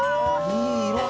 いいね。